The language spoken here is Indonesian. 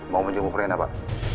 mau menjenguk rena pak